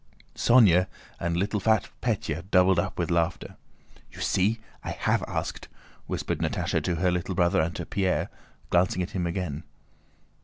Sónya and fat little Pétya doubled up with laughter. "You see! I have asked," whispered Natásha to her little brother and to Pierre, glancing at him again.